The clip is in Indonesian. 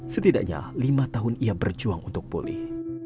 setidaknya lima tahun ia berjuang untuk pulih